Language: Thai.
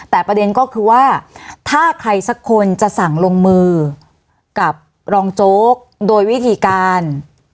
แต่ประเด็นก็คือว่าถ้าใครสักคนจะสั่งลงมือกับรองโจ๊กโดยวิธีการ